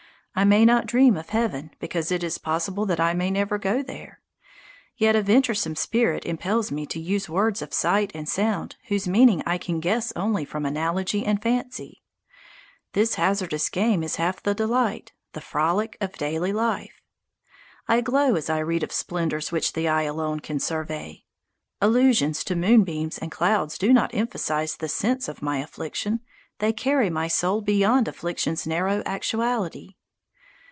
I may not dream of heaven because it is possible that I may never go there. Yet a venturesome spirit impels me to use words of sight and sound whose meaning I can guess only from analogy and fancy. This hazardous game is half the delight, the frolic, of daily life. I glow as I read of splendours which the eye alone can survey. Allusions to moonbeams and clouds do not emphasize the sense of my affliction: they carry my soul beyond affliction's narrow actuality.